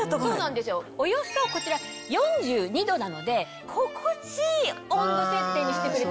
およそこちら４２度なので心地いい温度設定にしてくれてるんです。